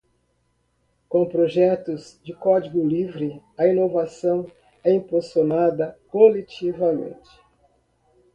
Com projetos de código livre, a inovação é impulsionada coletivamente.